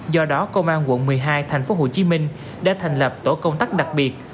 do đó công an quận một mươi hai tp hcm đã thành lập tổ công tác đặc biệt